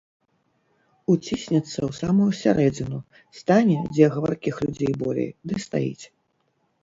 Уціснецца ў самую сярэдзіну, стане, дзе гаваркіх людзей болей, ды стаіць.